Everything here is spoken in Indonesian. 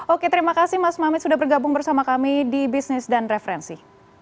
oke terima kasih mas mamit sudah bergabung bersama kami di bisnis dan referensi